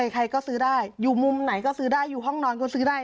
ใครก็ซื้อได้อยู่มุมไหนก็ซื้อได้อยู่ห้องนอนก็ซื้อได้